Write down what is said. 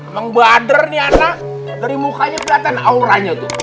emang bader nih anak dari mukanya keliatan auranya tuh